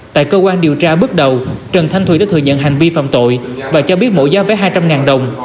tại cơ quan điều tra bước đầu trần thanh thùy đã thừa nhận hành vi phạm tội và cho biết mỗi giá vé hai trăm linh đồng